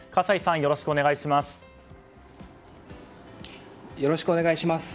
よろしくお願いします。